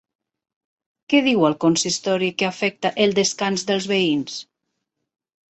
Què diu el consistori que afecta el descans dels veïns?